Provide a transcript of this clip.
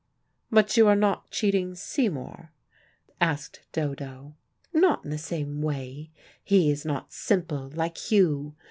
"But you are not cheating Seymour?" asked Dodo. "Not in the same way. He is not simple, like Hugh.